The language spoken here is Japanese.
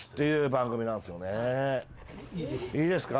いいですか？